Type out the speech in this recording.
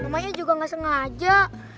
namanya juga gak sengaja